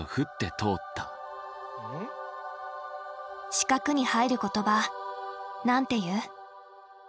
四角に入る言葉何て言う？